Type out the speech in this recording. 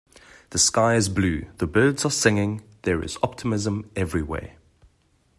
The sky is blue, the birds are singing, there is optimism everywhere.